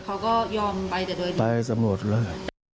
เค้าก็ยอมไปแต่โดยดี